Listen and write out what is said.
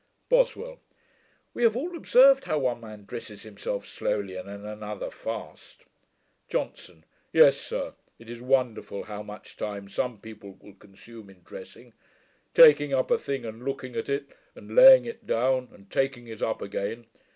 BOSWELL. 'We have all observed how one man dresses himself slowly, and another fast.' JOHNSON. 'Yes, sir; it is wonderful how much time some people will consume in dressing; taking up a thing and looking at it, and laying it down, and taking it up again.